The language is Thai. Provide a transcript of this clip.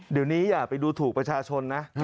เดี๋ยวนี้อย่าไปดูถูกประชาชนนะ